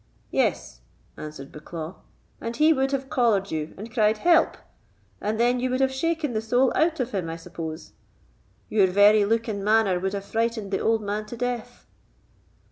"Yes," answered Bucklaw, "and he would have collared you, and cried 'help,' and then you would have shaken the soul out of him, I suppose. Your very look and manner would have frightened the old man to death."